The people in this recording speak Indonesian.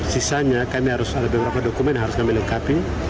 sisanya kami harus ada beberapa dokumen yang harus kami lengkapi